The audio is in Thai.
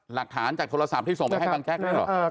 หลักฐานจากโทรศัพท์ที่ส่งไปให้บังแจ๊กนี่เหรอ